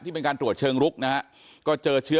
ที่เป็นการตรวจเชิงลุกนะครับ